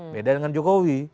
beda dengan jokowi